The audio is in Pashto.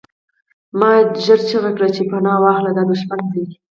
ما ژر چیغې کړې چې پناه واخلئ دا دښمن دی